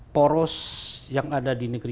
poros yang ada di negeri